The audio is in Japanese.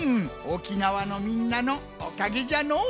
沖縄のみんなのおかげじゃのう。